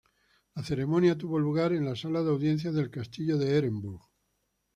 La ceremonia tuvo lugar en la sala de audiencias del castillo de Ehrenburg.